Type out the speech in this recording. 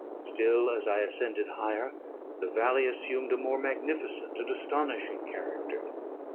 Still, as I ascended higher, the valley assumed a more magnificent and astonishing character.